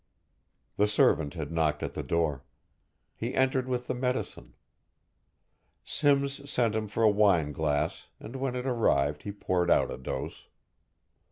The servant had knocked at the door. He entered with the medicine. Simms sent him for a wine glass and when it arrived he poured out a dose.